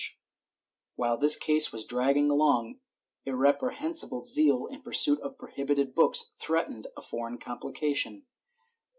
504 CENSORSHIP [Book VIII While this case was dragging along, irrepressible zeal in pursuit of prohibited books threatened a foreign comphcation.